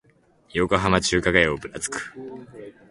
横浜中華街をぶらつく